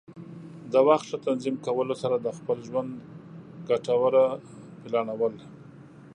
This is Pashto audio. د وخت ښه تنظیم کولو سره د خپل ژوند ګټوره پلانول.